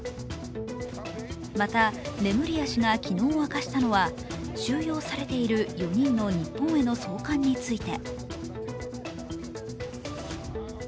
また、レムリヤ氏が昨日明かしたのは収容されている４人の日本への送還について。